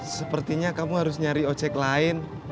sepertinya kamu harus nyari ojek lain